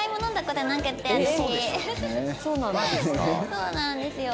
そうなんですよ。